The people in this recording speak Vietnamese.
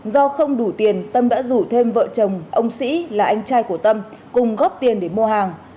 do không đủ tiền tâm đã rủ thêm vợ chồng ông sĩ là anh trai của tâm cùng góp tiền để mua hàng